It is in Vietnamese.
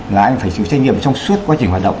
là anh phải chịu trách nhiệm trong suốt quá trình hoạt động